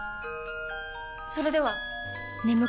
それでは！